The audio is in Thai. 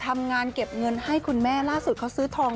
ทำงานเก็บเงินให้คุณแม่ล่าสุดเขาซื้อทอง